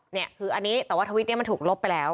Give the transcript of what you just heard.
เนี่ยคืออันนี้แต่ว่าทวิตนี้มันถูกลบไปแล้ว